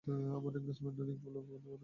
আমার engagement ring পুলে পরে গেছে!